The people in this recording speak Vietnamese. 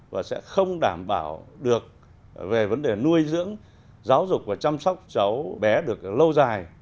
và sẽ không đảm bảo được về vấn đề nuôi dưỡng giáo dục và chăm sóc cháu bé được lâu dài